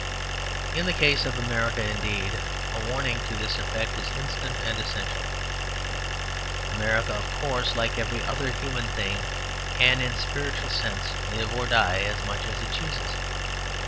In the case of America, indeed, a warning to this effect is instant and essential. America, of course, like every other human thing, can in spiritual sense live or die as much as it chooses.